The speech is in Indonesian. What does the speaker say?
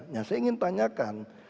nah saya ingin tanyakan